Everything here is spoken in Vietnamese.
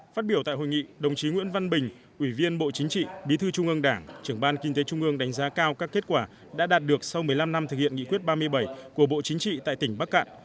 phát biểu tại hội nghị đồng chí nguyễn văn bình ủy viên bộ chính trị bí thư trung ương đảng trưởng ban kinh tế trung ương đánh giá cao các kết quả đã đạt được sau một mươi năm năm thực hiện nghị quyết ba mươi bảy của bộ chính trị tại tỉnh bắc cạn